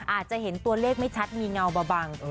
อาจจะเห็นตัวเลขไม่ชัดมีเงาเบาบัง